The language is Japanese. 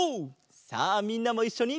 さあみんなもいっしょに！